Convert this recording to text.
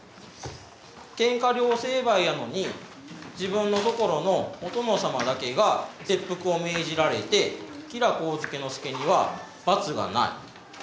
喧嘩両成敗やのに自分のところのお殿様だけが切腹を命じられて吉良上野介には罰がない。